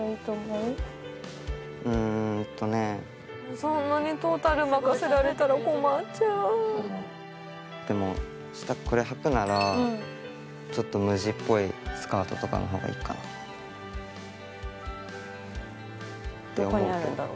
そんなにトータル任せられたら困っちゃうでも下これ履くならちょっと無地っぽいスカートとかの方がいっかなって思うけどどうだろう？